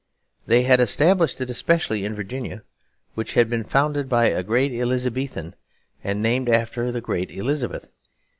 They had established it especially in Virginia, which had been founded by a great Elizabethan and named after the great Elizabeth.